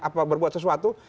atau berbuat sesuatu